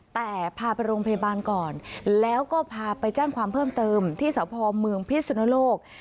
แต่พาไปโรงพยาบาลก่อนแล้วก็พาไปแจ้งความเพิ่มเติมที่สพเมืองพิสุนโลก